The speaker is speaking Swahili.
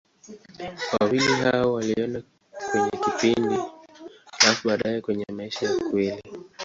Wawili hao waliona kwenye kipindi, halafu baadaye kwenye maisha ya kweli.